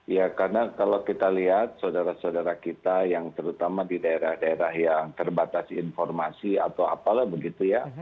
ya karena kalau kita lihat saudara saudara kita yang terutama di daerah daerah yang terbatas informasi atau apalah begitu ya